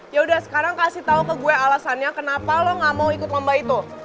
yaudah sekarang kasih tau ke gue alasannya kenapa lo gak mau ikut lomba itu